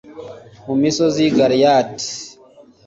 mu misozi yi Galeyadi